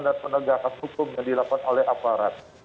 dan penegakan hukum yang dilakukan oleh aparat